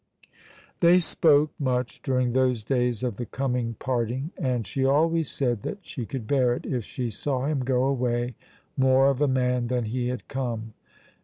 They spoke much during those days of the coming parting, and she always said that she could bear it if she saw him go away more of a man than he had come.